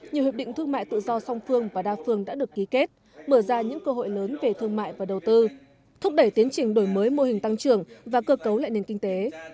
nhiều hiệp định thương mại tự do song phương và đa phương đã được ký kết mở ra những cơ hội lớn về thương mại và đầu tư thúc đẩy tiến trình đổi mới mô hình tăng trưởng và cơ cấu lại nền kinh tế